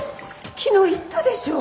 昨日言ったでしょ？